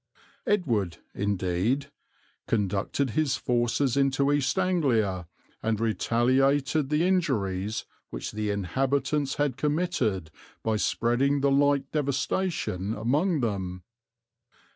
Edward, indeed, "conducted his forces into East Anglia and retaliated the injuries which the inhabitants had committed by spreading the like devastation among them.